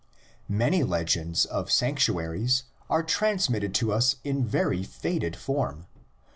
Many legends of sanctuaries are transmitted to us in very faded form: fr.